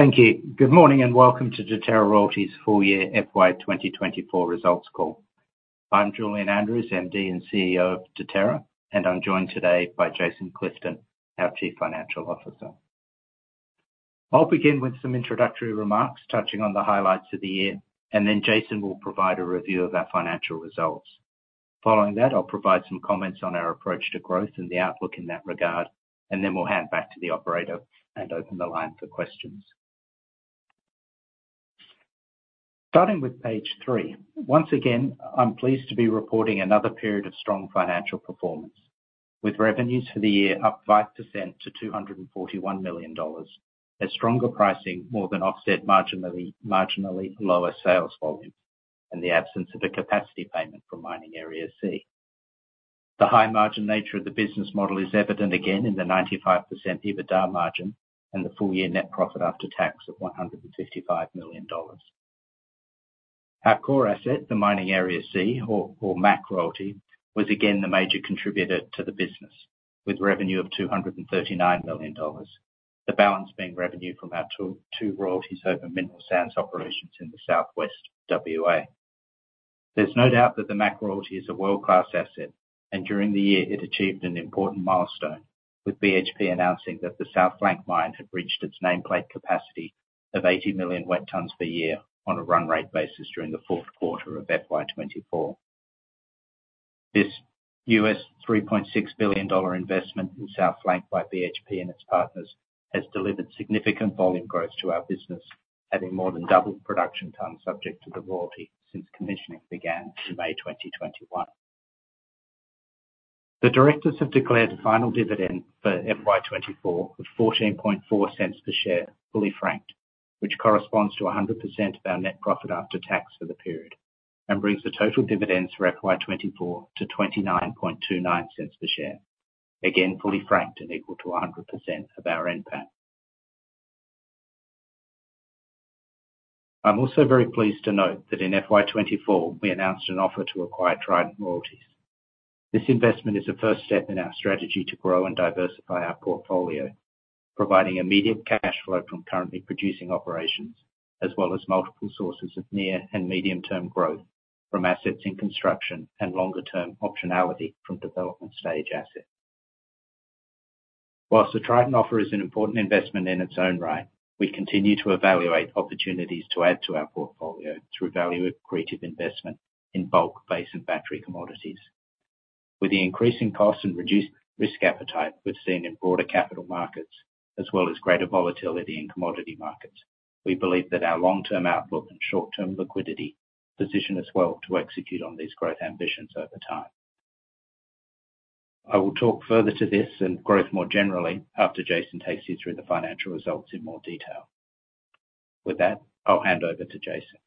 Thank you. Good morning, and welcome to Deterra Royalties' full year FY 2024 results call. I'm Julian Andrews, MD and CEO of Deterra, and I'm joined today by Jason Clifton, our Chief Financial Officer. I'll begin with some introductory remarks, touching on the highlights of the year, and then Jason will provide a review of our financial results. Following that, I'll provide some comments on our approach to growth and the outlook in that regard, and then we'll hand back to the operator and open the line for questions. Starting with page three. Once again, I'm pleased to be reporting another period of strong financial performance, with revenues for the year up 5% to 241 million dollars. As stronger pricing more than offset marginally lower sales volume and the absence of a capacity payment from Mining Area C. The high-margin nature of the business model is evident again in the 95% EBITDA margin and the full-year net profit after tax of 155 million dollars. Our core asset, the Mining Area C, or MAC Royalty, was again the major contributor to the business, with revenue of 239 million dollars. The balance being revenue from our two royalties over mineral sands operations in the South West WA. There's no doubt that the MAC Royalty is a world-class asset, and during the year, it achieved an important milestone, with BHP announcing that the South Flank mine had reached its nameplate capacity of 80 million wet metric tonnes per year on a run rate basis during the fourth quarter of FY 2024. This $3.6 billion investment in South Flank by BHP and its partners has delivered significant volume growth to our business, having more than doubled production tonnes subject to the royalty since commissioning began in May 2021. The directors have declared a final dividend for FY 2024 of 0.144 per share, fully franked, which corresponds to 100% of our net profit after tax for the period, and brings the total dividends for FY 2024 to 0.2929 per share. Again, fully franked and equal to 100% of our NPAT. I'm also very pleased to note that in FY 2024, we announced an offer to acquire Trident Royalties. This investment is the first step in our strategy to grow and diversify our portfolio, providing immediate cash flow from currently producing operations, as well as multiple sources of near and medium-term growth from assets in construction and longer-term optionality from development stage assets. While the Trident offer is an important investment in its own right, we continue to evaluate opportunities to add to our portfolio through value accretive investment in bulk, base, and battery commodities. With the increasing costs and reduced risk appetite we've seen in broader capital markets, as well as greater volatility in commodity markets, we believe that our long-term outlook and short-term liquidity position us well to execute on these growth ambitions over time. I will talk further to this and growth more generally after Jason takes you through the financial results in more detail. With that, I'll hand over to Jason.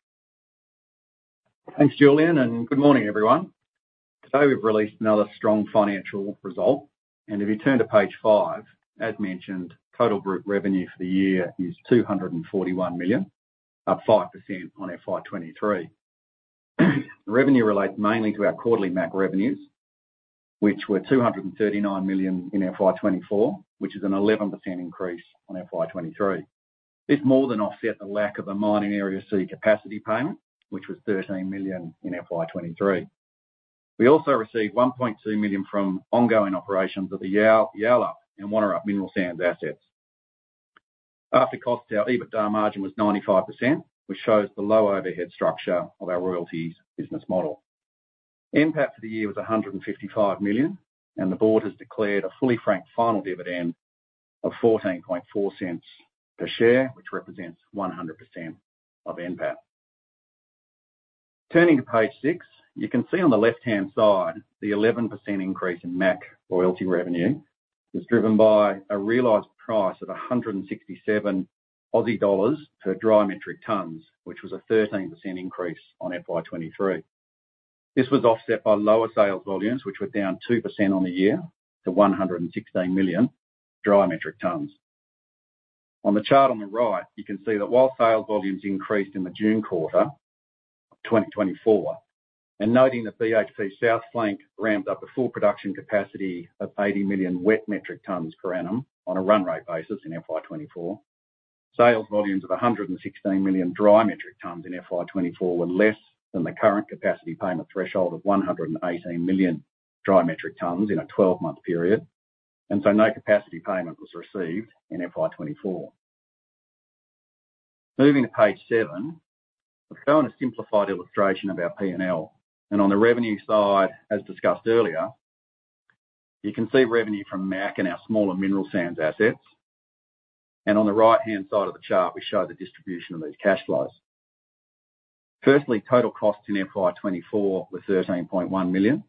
Thanks, Julian, and good morning, everyone. Today, we've released another strong financial result, and if you turn to page five, as mentioned, total group revenue for the year is 241 million, up 5% on FY 2023. The revenue relates mainly to our quarterly MAC revenues, which were 239 million in FY 2024, which is an 11% increase on FY 2023. This more than offset the lack of a Mining Area C capacity payment, which was 13 million in FY 2023. We also received 1.2 million from ongoing operations of the Yalyalup and Wonnerup mineral sands assets. After costs, our EBITDA margin was 95%, which shows the low overhead structure of our royalties business model. NPAT for the year was 155 million, and the board has declared a fully franked final dividend of 0.144 per share, which represents 100% of NPAT. Turning to page six, you can see on the left-hand side the 11% increase in MAC Royalty revenue was driven by a realized price of 167 Aussie dollars per dry metric tonne, which was a 13% increase on FY 2023. This was offset by lower sales volumes, which were down 2% on the year to 116 million dry metric tonnes. On the chart on the right, you can see that while sales volumes increased in the June quarter of 2024, and noting that BHP South Flank ramped up to full production capacity of 80 million wet metric tonnes per annum on a run rate basis in FY 2024. Sales volumes of 116 million dry metric tonnes in FY 2024 were less than the current capacity payment threshold of 118 million dry metric tonnes in a 12-month period, and so no capacity payment was received in FY 2024. Moving to page seven, I've shown a simplified illustration of our P&L, and on the revenue side, as discussed earlier, you can see revenue from MAC and our smaller mineral sands assets, and on the right-hand side of the chart, we show the distribution of these cash flows. Firstly, total costs in FY 2024 were 13.1 million,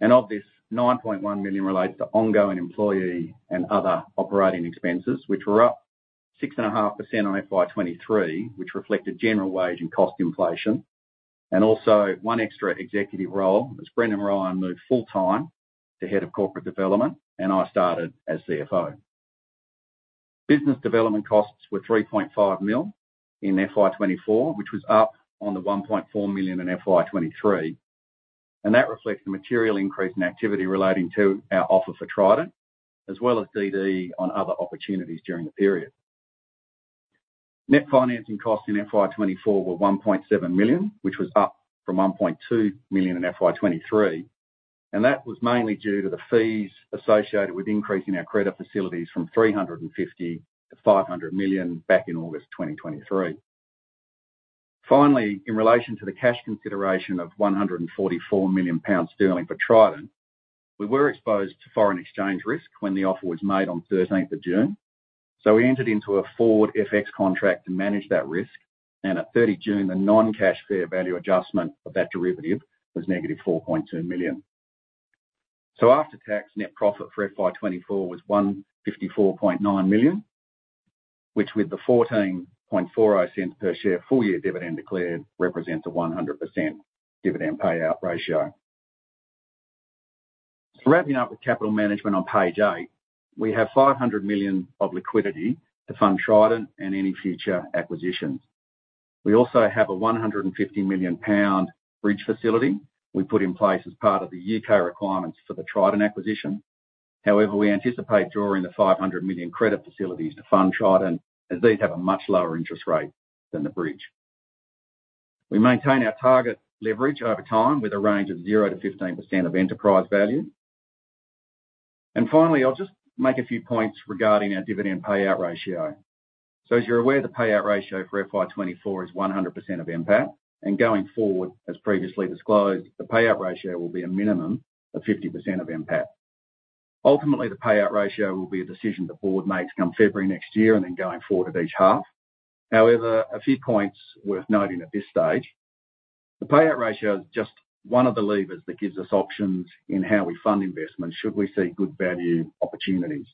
and of this, 9.1 million relates to ongoing employee and other operating expenses, which were up 6.5% on FY 2023, which reflected general wage and cost inflation, and also one extra executive role, as Brendan Ryan moved full-time to Head of Corporate Development, and I started as CFO. Business development costs were 3.5 million in FY 2024, which was up on the 1.4 million in FY 2023 and that reflects the material increase in activity relating to our offer for Trident, as well as DD on other opportunities during the period. Net financing costs in FY 2024 were 1.7 million, which was up from 1.2 million in FY 2023, and that was mainly due to the fees associated with increasing our credit facilities from 350 million-500 million back in August 2023. Finally, in relation to the cash consideration of 144 million sterling for Trident, we were exposed to foreign exchange risk when the offer was made on thirteenth of June, so we entered into a forward FX contract to manage that risk. And at 30 June, the non-cash fair value adjustment of that derivative was -4.2 million. So after tax, net profit for FY 2024 was 154.9 million, which, with the 0.1440 per share full year dividend declared, represents a 100% dividend payout ratio. Wrapping up with capital management on page eight, we have 500 million of liquidity to fund Trident and any future acquisitions. We also have a 150 million pound bridge facility we put in place as part of the U.K. requirements for the Trident acquisition. However, we anticipate drawing the 500 million credit facilities to fund Trident, as these have a much lower interest rate than the bridge. We maintain our target leverage over time with a range of 0%-15% of enterprise value, and finally, I'll just make a few points regarding our dividend payout ratio, so as you're aware, the payout ratio for FY 2024 is 100% of NPAT, and going forward, as previously disclosed, the payout ratio will be a minimum of 50% of NPAT. Ultimately, the payout ratio will be a decision the board makes come February next year, and then going forward at each half. However, a few points worth noting at this stage. The payout ratio is just one of the levers that gives us options in how we fund investments, should we see good value opportunities.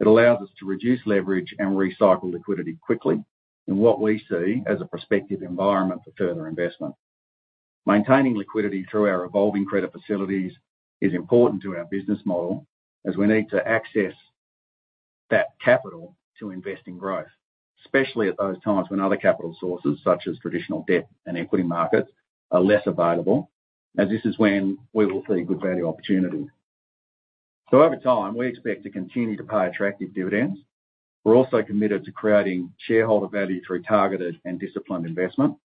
It allows us to reduce leverage and recycle liquidity quickly, and what we see as a prospective environment for further investment. Maintaining liquidity through our evolving credit facilities is important to our business model, as we need to access that capital to invest in growth, especially at those times when other capital sources, such as traditional debt and equity markets, are less available, as this is when we will see good value opportunities. So over time, we expect to continue to pay attractive dividends. We're also committed to creating shareholder value through targeted and disciplined investment,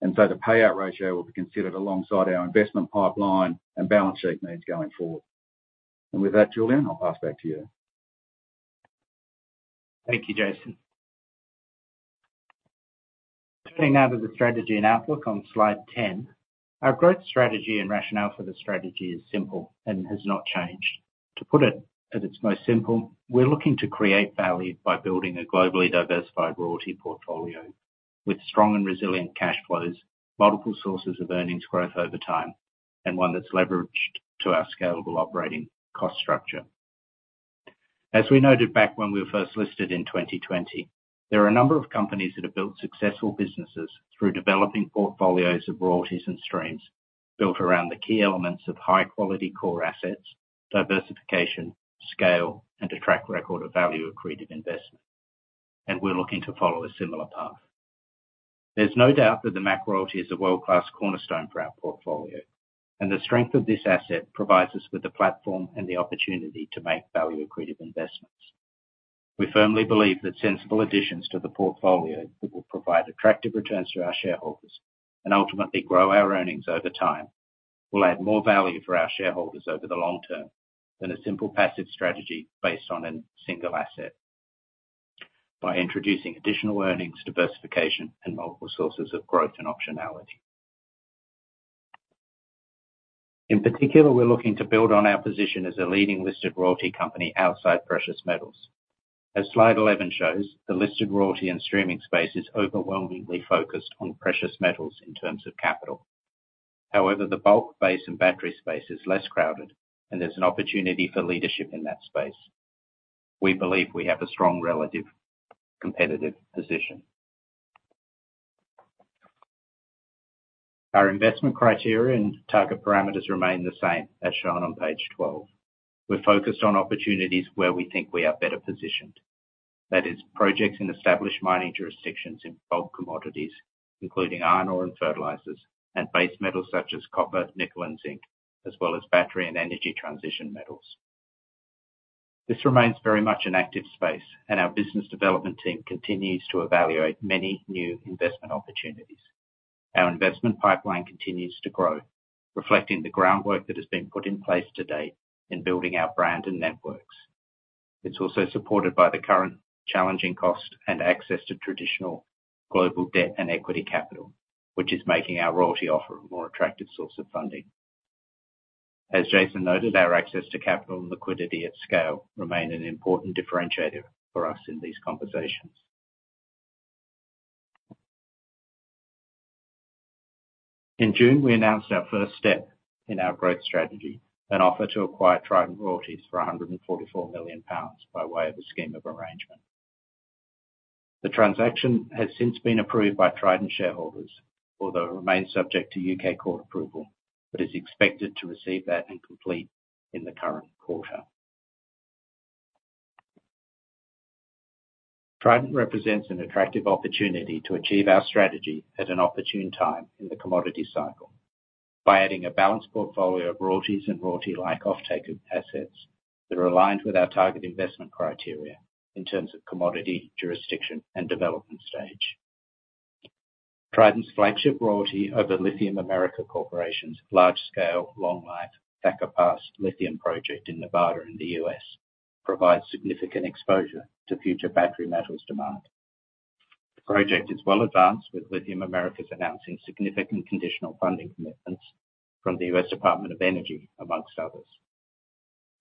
and so the payout ratio will be considered alongside our investment pipeline and balance sheet needs going forward. And with that, Julian, I'll pass back to you. Thank you, Jason. Turning now to the strategy and outlook on slide 10. Our growth strategy and rationale for the strategy is simple and has not changed. To put it at its most simple, we're looking to create value by building a globally diversified royalty portfolio with strong and resilient cash flows, multiple sources of earnings growth over time, and one that's leveraged to our scalable operating cost structure. As we noted back when we were first listed in 2020, there are a number of companies that have built successful businesses through developing portfolios of royalties and streams, built around the key elements of high quality core assets, diversification, scale, and a track record of value-accretive investment, and we're looking to follow a similar path. There's no doubt that the MAC Royalty is a world-class cornerstone for our portfolio, and the strength of this asset provides us with the platform and the opportunity to make value-accretive investments. We firmly believe that sensible additions to the portfolio that will provide attractive returns to our shareholders and ultimately grow our earnings over time, will add more value for our shareholders over the long term than a simple passive strategy based on a single asset, by introducing additional earnings, diversification, and multiple sources of growth and optionality. In particular, we're looking to build on our position as a leading listed royalty company outside precious metals. As slide 11 shows, the listed royalty and streaming space is overwhelmingly focused on precious metals in terms of capital. However, the bulk base and battery space is less crowded, and there's an opportunity for leadership in that space. We believe we have a strong relative competitive position. Our investment criteria and target parameters remain the same as shown on page 12. We're focused on opportunities where we think we are better positioned. That is, projects in established mining jurisdictions in bulk commodities, including iron ore and fertilizers, and base metals such as copper, nickel, and zinc, as well as battery and energy transition metals. This remains very much an active space, and our business development team continues to evaluate many new investment opportunities. Our investment pipeline continues to grow, reflecting the groundwork that has been put in place to date in building our brand and networks. It's also supported by the current challenging cost and access to traditional global debt and equity capital, which is making our royalty offer a more attractive source of funding. As Jason noted, our access to capital and liquidity at scale remain an important differentiator for us in these conversations. In June, we announced our first step in our growth strategy, an offer to acquire Trident Royalties for 144 million pounds, by way of a scheme of arrangement. The transaction has since been approved by Trident shareholders, although it remains subject to U.K. court approval, but is expected to receive that and complete in the current quarter. Trident represents an attractive opportunity to achieve our strategy at an opportune time in the commodity cycle, by adding a balanced portfolio of royalties and royalty-like offtake assets that are aligned with our target investment criteria in terms of commodity, jurisdiction, and development stage. Trident's flagship royalty over Lithium Americas Corporation's large scale, long life Thacker Pass lithium project in Nevada in the U.S., provides significant exposure to future battery metals demand. The project is well advanced, with Lithium Americas announcing significant conditional funding commitments from the U.S. Department of Energy, among others.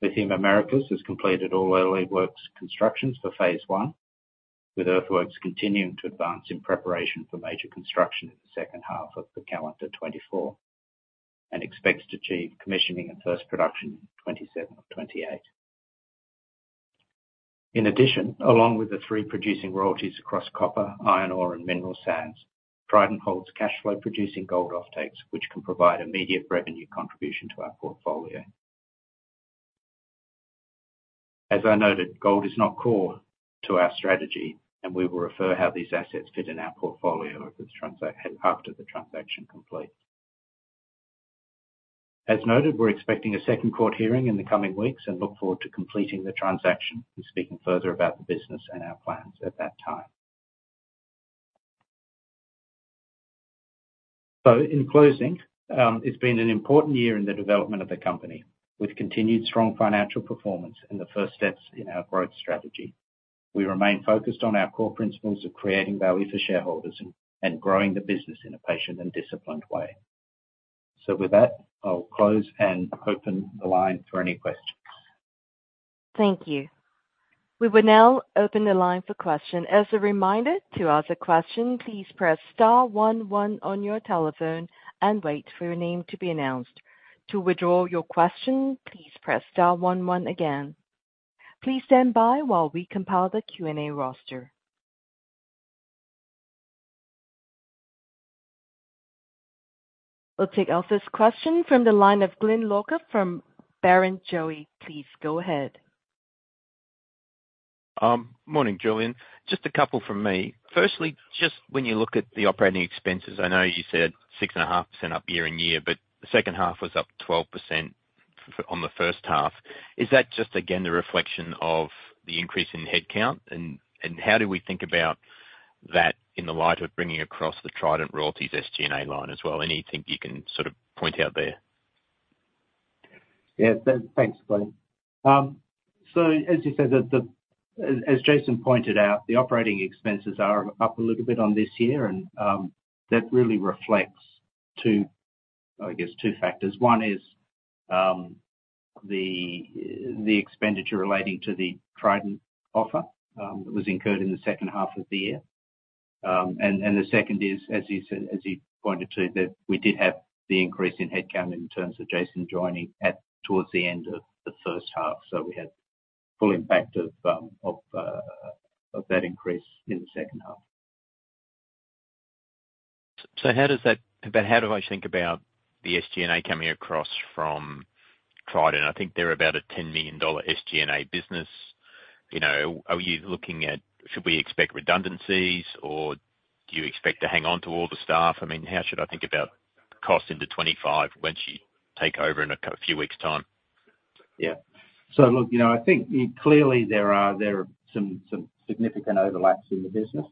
Lithium Americas has completed all early works constructions for phase one, with earthworks continuing to advance in preparation for major construction in the second half of the calendar 2024, and expects to achieve commissioning and first production in 2027 or 2028. In addition, along with the three producing royalties across copper, iron ore, and mineral sands, Trident holds cash flow producing gold offtakes, which can provide immediate revenue contribution to our portfolio. As I noted, gold is not core to our strategy, and we will refer how these assets fit in our portfolio after the transaction complete. As noted, we're expecting a second court hearing in the coming weeks and look forward to completing the transaction, and speaking further about the business and our plans at that time. So in closing, it's been an important year in the development of the company, with continued strong financial performance and the first steps in our growth strategy. We remain focused on our core principles of creating value for shareholders and growing the business in a patient and disciplined way. So with that, I'll close and open the line for any questions. Thank you. We will now open the line for questions. As a reminder, to ask a question, please press star one one on your telephone and wait for your name to be announced. To withdraw your question, please press star one one again. Please stand by while we compile the Q&A roster. We'll take our first question from the line of Glyn Lawcock from Barrenjoey. Please go ahead. Morning, Julian. Just a couple from me. Firstly, just when you look at the operating expenses, I know you said 6.5% up year and year, but the second half was up 12% on the first half. Is that just again, the reflection of the increase in headcount? And how do we think about that in the light of bringing across the Trident Royalties SG&A line as well? Anything you can sort of point out there? Yeah, thanks, Glyn. So as you said, as Jason pointed out, the operating expenses are up a little bit on this year, and that really reflects to, I guess, two factors. One is the expenditure relating to the Trident offer that was incurred in the second half of the year. And the second is, as you said, as you pointed to, that we did have the increase in headcount in terms of Jason joining at, towards the end of the first half. So we had full impact of that increase in the second half. But how do I think about the SG&A coming across from Trident? I think they're about a 10 million dollar SG&A business. You know, are you looking at... Should we expect redundancies, or do you expect to hang on to all the staff? I mean, how should I think about cost into 2025 once you take over in a couple of weeks' time? Yeah. So look, you know, I think clearly there are some significant overlaps in the business.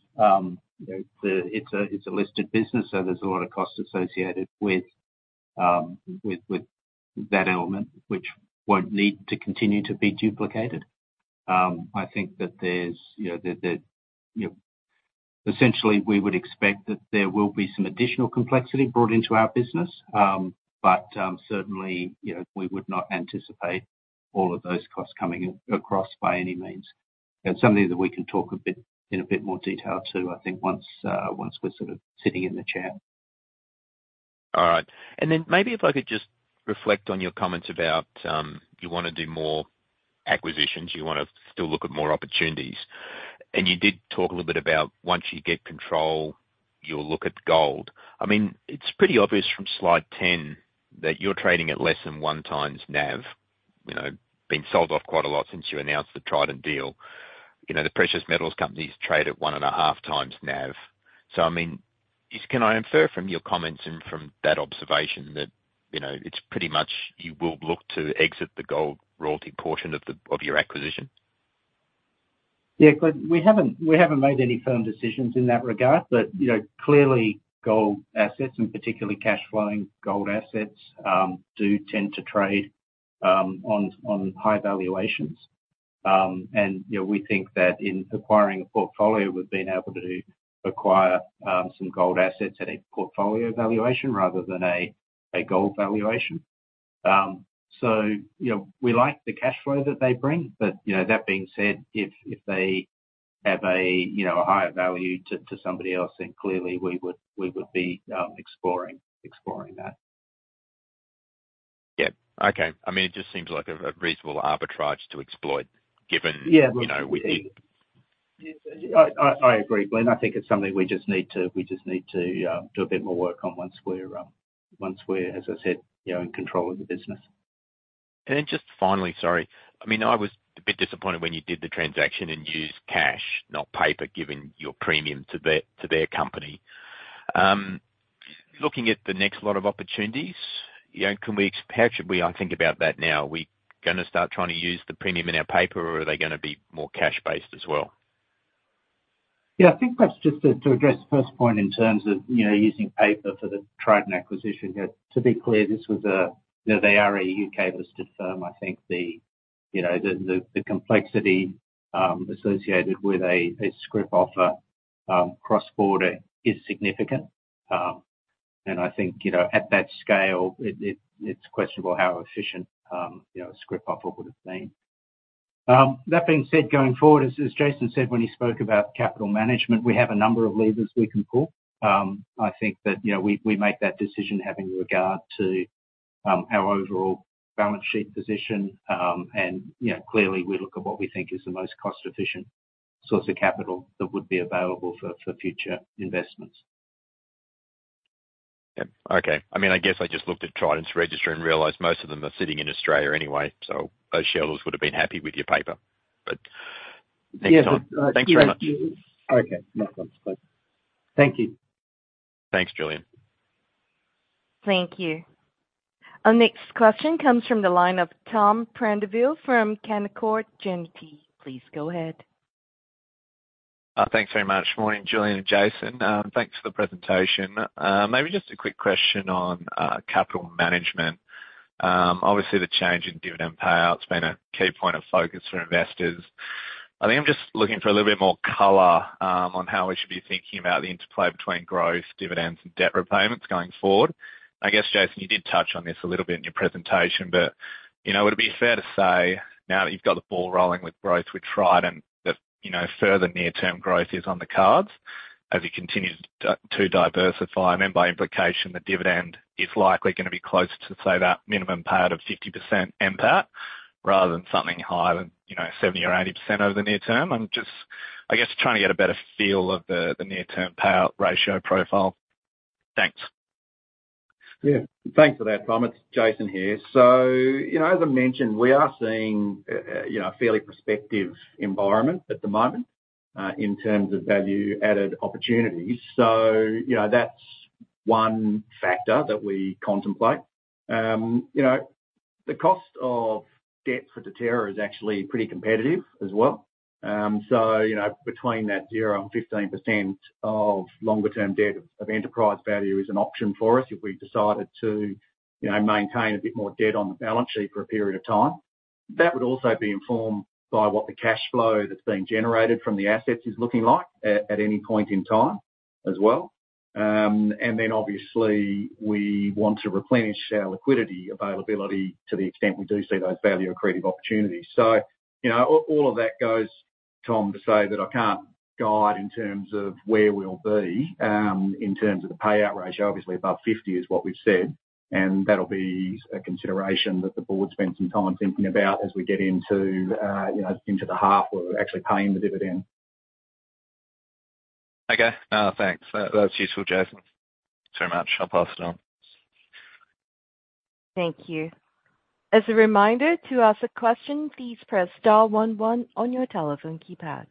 You know, it's a listed business, so there's a lot of costs associated with that element, which won't need to continue to be duplicated. I think that there's, you know. Essentially, we would expect that there will be some additional complexity brought into our business. But certainly, you know, we would not anticipate all of those costs coming across by any means. And something that we can talk in a bit more detail to, I think, once we're sort of sitting in the chair. All right. And then maybe if I could just reflect on your comments about you wanna do more acquisitions, you wanna still look at more opportunities. And you did talk a little bit about once you get control, you'll look at gold. I mean, it's pretty obvious from slide 10 that you're trading at less than 1x NAV. You know, been sold off quite a lot since you announced the Trident deal. You know, the precious metals companies trade at one and a 1/2x NAV. So, I mean, can I infer from your comments and from that observation that, you know, it's pretty much you will look to exit the gold royalty portion of your acquisition? Yeah, Glyn, we haven't made any firm decisions in that regard. But you know, clearly, gold assets, and particularly cash flowing gold assets, do tend to trade on high valuations. And you know, we think that in acquiring a portfolio, we've been able to acquire some gold assets at a portfolio valuation rather than a gold valuation. So you know, we like the cash flow that they bring. But you know, that being said, if they have a higher value to somebody else, then clearly we would be exploring that. Yeah. Okay. I mean, it just seems like a reasonable arbitrage to exploit, given- Yeah you know, with the- Yes, I agree, Glyn. I think it's something we just need to do a bit more work on once we're, as I said, you know, in control of the business. And then just finally, sorry. I mean, I was a bit disappointed when you did the transaction and used cash, not paper, given your premium to their company. Looking at the next lot of opportunities, you know, how should we think about that now? Are we gonna start trying to use the premium in our paper, or are they gonna be more cash-based as well? Yeah, I think that's just to address the first point in terms of, you know, using paper for the Trident acquisition. Yeah, to be clear, this was a, you know, they are a U.K.-listed firm. I think the complexity associated with a scrip offer cross-border is significant. And I think, you know, at that scale, it’s questionable how efficient, you know, a scrip offer would've been. That being said, going forward, as Jason said, when he spoke about capital management, we have a number of levers we can pull. I think that, you know, we make that decision having regard to our overall balance sheet position. And, you know, clearly, we look at what we think is the most cost-efficient source of capital that would be available for future investments. Yeah. Okay. I mean, I guess I just looked at Trident's register and realized most of them are sitting in Australia anyway, so those shareholders would've been happy with your paper, but next time. Yeah. Thanks very much. Okay, no problems. Bye. Thank you. Thanks, Julian. Thank you. Our next question comes from the line of Tom Prendiville from Canaccord Genuity. Please go ahead. Thanks very much. Morning, Julian and Jason. Thanks for the presentation. Maybe just a quick question on capital management. Obviously, the change in dividend payout's been a key point of focus for investors. I think I'm just looking for a little bit more color on how we should be thinking about the interplay between growth, dividends, and debt repayments going forward. I guess, Jason, you did touch on this a little bit in your presentation, but you know, would it be fair to say, now that you've got the ball rolling with growth with Trident, that you know, further near-term growth is on the cards as you continue to diversify? And then, by implication, the dividend is likely gonna be closer to, say, that minimum payout of 50% NPAT, rather than something higher than, you know, 70% or 80% over the near term. I'm just, I guess, trying to get a better feel of the near-term payout ratio profile. Thanks. Yeah, thanks for that, Tom. It's Jason here. So, you know, as I mentioned, we are seeing a fairly prospective environment at the moment in terms of value-added opportunities. So, you know, that's one factor that we contemplate. You know, the cost of debt for Deterra is actually pretty competitive as well. So, you know, between that 0% and 15% of longer-term debt of enterprise value is an option for us, if we decided to, you know, maintain a bit more debt on the balance sheet for a period of time. That would also be informed by what the cash flow that's being generated from the assets is looking like at any point in time, as well. And then, obviously, we want to replenish our liquidity availability to the extent we do see those value-accretive opportunities. So, you know, all of that goes, Tom, to say that I can't guide in terms of where we'll be in terms of the payout ratio. Obviously, above 50% is what we've said, and that'll be a consideration that the board spend some time thinking about as we get into, you know, into the half, where we're actually paying the dividend. Okay. Thanks. That, that's useful, Jason. Thanks very much. I'll pass it on. Thank you. As a reminder, to ask a question, please press star one one on your telephone keypad.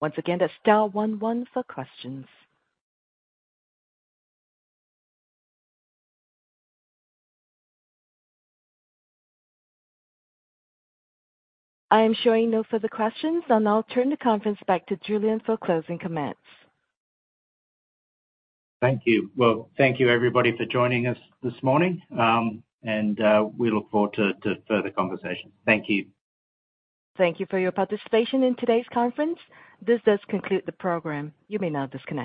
Once again, that's star one one for questions. I am showing no further questions. I'll now turn the conference back to Julian for closing comments. Thank you. Well, thank you, everybody, for joining us this morning, and we look forward to further conversation. Thank you. Thank you for your participation in today's conference. This does conclude the program. You may now disconnect.